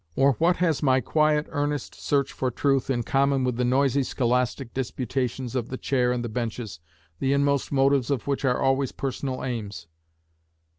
Or what has my quiet, earnest search for truth in common with the noisy scholastic disputations of the chair and the benches, the inmost motives of which are always personal aims.